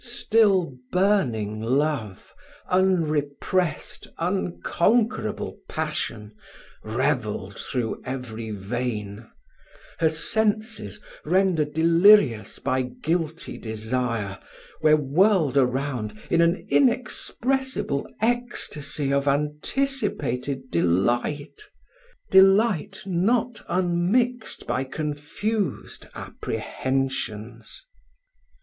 Still burning love, unrepressed, unconquerable passion, revelled through every vein: her senses, rendered delirious by guilty desire, were whirled around in an inexpressible ecstasy of anticipated delight delight, not unmixed by confused apprehensions.